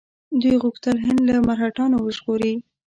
دوی غوښتل هند له مرهټیانو وژغوري.